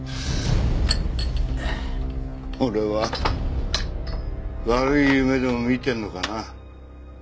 俺は悪い夢でも見てるのかな。